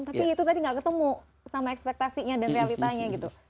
tapi itu tadi gak ketemu sama ekspektasinya dan realitanya gitu